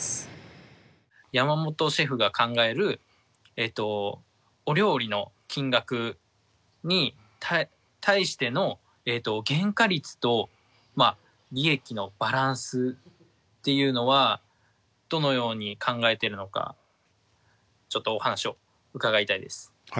山本シェフが考えるお料理の金額に対しての原価率と利益のバランスっていうのはどのように考えているのかちょっとお話を伺いたいです。